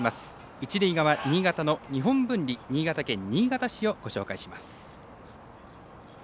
一塁側、日本文理新潟県新潟市をご紹介します。